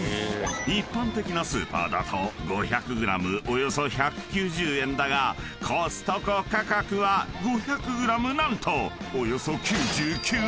［一般的なスーパーだと５００ｇおよそ１９０円だがコストコ価格は５００ｇ何とおよそ９９円］